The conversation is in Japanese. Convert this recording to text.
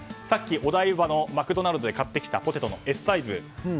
さっきお台場のマクドナルドで買ってきたポテトのＳサイズ。